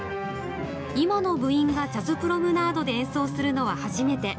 今の部員がジャズプロムナードで演奏するのは初めて。